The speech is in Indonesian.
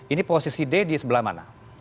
ini posisi d di sebelah mana